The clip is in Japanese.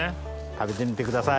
食べてみてください。